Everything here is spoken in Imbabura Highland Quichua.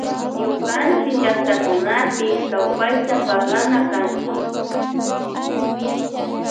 Ñukanchick llactakunapi kawpayta parlana kanchik